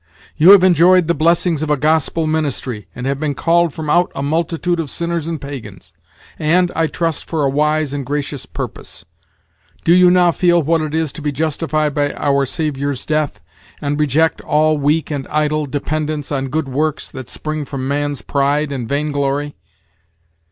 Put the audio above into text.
you have enjoyed the blessings of a gospel ministry, and have been called from out a multitude of sinners and pagans, and, I trust, for a wise and gracious purpose. Do you now feel what it is to be justified by our Saviour's death, and reject all weak and idle dependence on good works, that spring from man's pride and vainglory?"